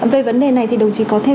về vấn đề này thì đồng chí có thêm